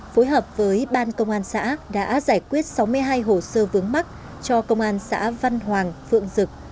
phối hợp với ban công an xã đã giải quyết sáu mươi hai hồ sơ vướng mắt cho công an xã văn hoàng phượng dực